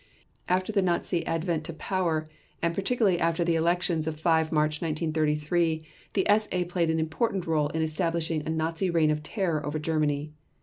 After the Nazi advent to power, and particularly after the elections of 5 March 1933, the SA played an important role in establishing a Nazi reign of terror over Germany.